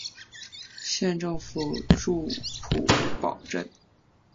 县政府驻普保镇。